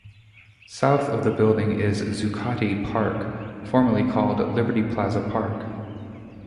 South of the building is Zucotti Park, formerly called Liberty Plaza Park.